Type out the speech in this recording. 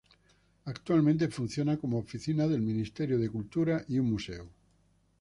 Actualmente funciona como oficina del Ministerio de Cultura y un museo.